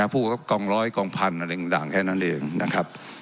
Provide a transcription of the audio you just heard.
พวกกองร้อยกองพันธุ์อะไรต่างแค่นั้นเองนะครับ